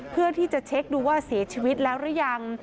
เพื่อที่จะเช็คดูว่าเสียชีวิตแล้วหรือยัง